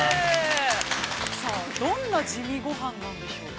さあどんな地味ごはんなんでしょうか。